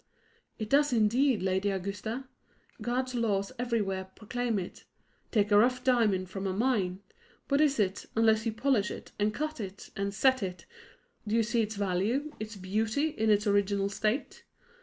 "It does, indeed, Lady Augusta. God's laws everywhere proclaim it. Take a rough diamond from a mine what is it, unless you polish it, and cut it, and set it? Do you see its value, its beauty, in its original state?